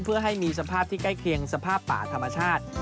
เพื่อให้มีสภาพที่ใกล้เคียงสภาพป่าธรรมชาติ